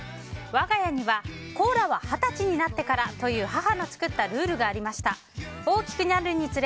我が家にはコーラは二十歳になってからという母の作ったルールがありました。